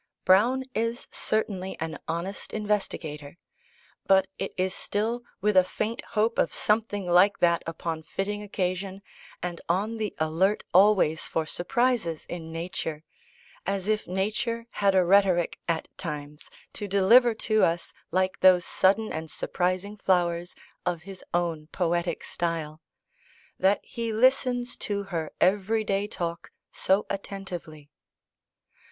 Browne is certainly an honest investigator; but it is still with a faint hope of something like that upon fitting occasion, and on the alert always for surprises in nature (as if nature had a rhetoric, at times, to deliver to us, like those sudden and surprising flowers of his own poetic style) that he listens to her everyday talk so attentively.